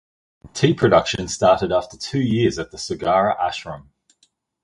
Tea production started after two years at the Sogara Ashram.